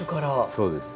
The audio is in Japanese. そうです。